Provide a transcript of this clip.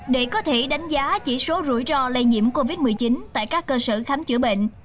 để có thể đánh giá chỉ số rủi ro lây nhiễm covid một mươi chín tại các cơ sở khám chữa bệnh